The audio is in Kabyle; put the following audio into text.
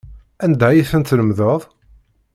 Anda ay tent-tlemdeḍ?